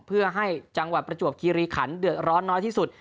เพื่อให้จังหวัดประจวบคีรีขันเดือดร้อนน้อยที่สุด